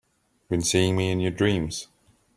Been seeing me in your dreams?